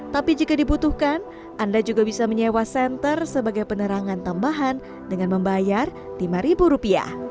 tapi jika dibutuhkan anda juga bisa menyewa senter sebagai penerangan tambahan dengan membayar rp lima